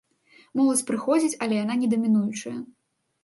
Моладзь прыходзіць, але яна не дамінуючая.